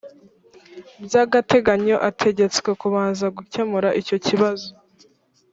byagateganyo ategetswe kubanza gukemura icyo kibazo